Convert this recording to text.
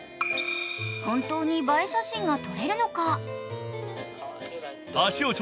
本当に映え写真が撮れるのか。